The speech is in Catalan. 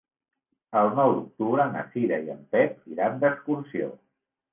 El nou d'octubre na Cira i en Pep iran d'excursió.